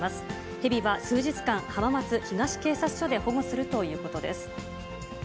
ヘビは数日間、浜松東警察署で保護するということです。